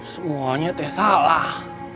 semuanya teh salah